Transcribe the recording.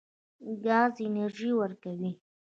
ګاز انرژي ورکوي.